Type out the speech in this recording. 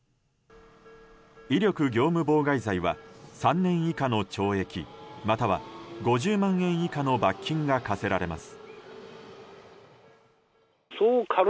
威力業務妨害罪は３年以下の懲役または５０万円以下の罰金が科せられます。